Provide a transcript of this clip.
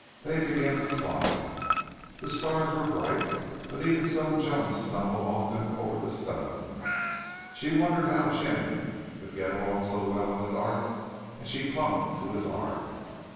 They began to climb. The stars were bright, but even so Joan stumbled often over the stones. She wondered how Jim could get along so well in the dark and she clung to his arm.